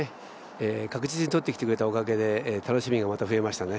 確実にとってきてくれたおかげで、楽しみがまた増えましたね。